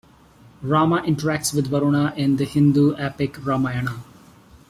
Rama interacts with Varuna in the Hindu epic "Ramayana".